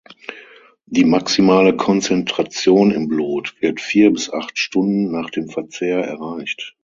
Die maximale Konzentration im Blut wird vier bis acht Stunden nach dem Verzehr erreicht.